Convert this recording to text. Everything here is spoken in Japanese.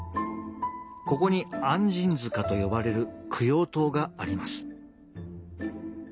ここに按針塚と呼ばれる供養塔があります。